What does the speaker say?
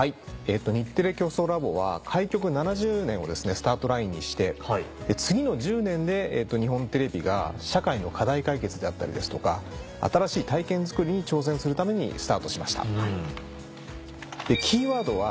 「日テレ共創ラボ」は開局７０年をスタートラインにして次の１０年で日本テレビが社会の課題解決であったりですとか新しい体験づくりに挑戦するためにスタートしました。